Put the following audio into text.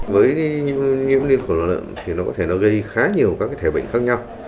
với nhiễm liên cầu lợn thì nó có thể gây khá nhiều các thể bệnh khác nhau